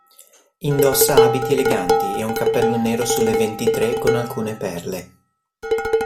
Indossa abiti eleganti e un cappello nero sulle ventitré con alcune perle.